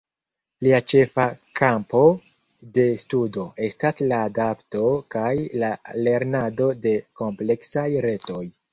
Lia ĉefa kampo de studo estas la adapto kaj la lernado de kompleksaj retoj.